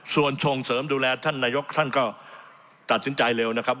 ส่วนส่งเสริมดูแลท่านนายกท่านก็ตัดสินใจเร็วนะครับ